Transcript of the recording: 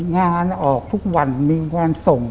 งานออกทุกวันมีงานส่ง